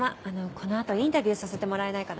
この後インタビューさせてもらえないかな？